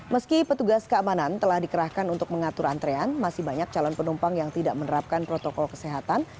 meski petugas keamanan telah dikerahkan untuk mengatur antrean masih banyak calon penumpang yang tidak menerapkan protokol kesehatan